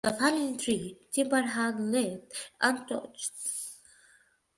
The fallen tree timber had laid untouched.